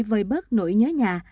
vơi bớt nỗi nhớ nhà